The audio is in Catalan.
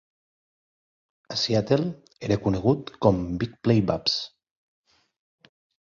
A Seattle, era conegut com "Big Play Babs".